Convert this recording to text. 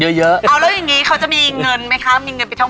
เอาแล้วอย่างนี้เขาจะมีเงินไหมคะมีเงินไปท่องเที่ยวไหมคะ